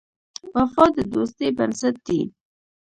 وفا د دوستۍ بنسټ دی.